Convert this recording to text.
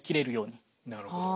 なるほど。